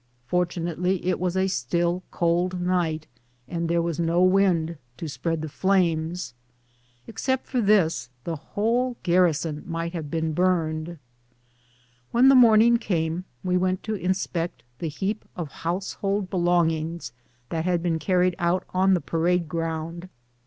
Fortu nately it was a still, cold night, and there was no wind to spread the flames. Except for this the whole garri son must have been burned. When the morning came we went to inspect the heap of household belongings that had been carried out on the parade ground.